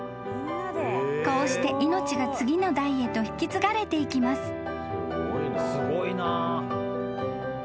［こうして命が次の代へと引き継がれていきます］